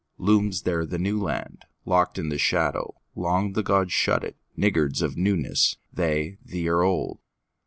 Looms there the New Land:Locked in the shadowLong the gods shut it, Niggards of newnessThey, the o'er old.